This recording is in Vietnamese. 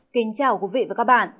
kính chào quý vị và các bạn